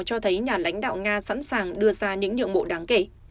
cho thấy nhà lãnh đạo nga sẵn sàng đưa ra những nhượng bộ đáng kể